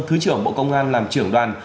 thứ trưởng bộ công an làm trưởng đoàn